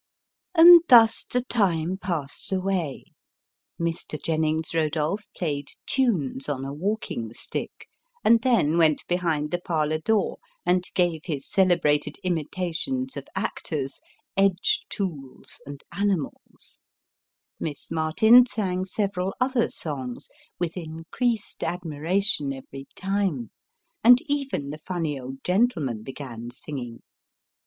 And thus the time passed away, Mr. Jennings Eodolph played tunes on a walking stick, and then went behind the parlour door and gave his celebrated imitations of actors, edge tools, and animals ; Miss Martin sang several other songs with increased admiration every time ; and even the funny old gentleman began singing.